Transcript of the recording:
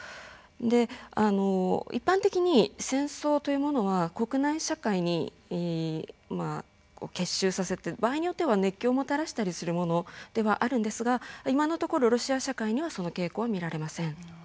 であの一般的に戦争というものは国内社会にまあ結集させて場合によっては熱気をもたらしたりするものではあるんですが今のところロシア社会にはその傾向は見られません。